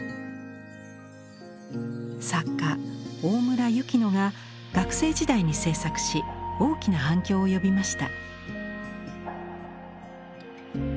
作家・大村雪乃が学生時代に制作し大きな反響を呼びました。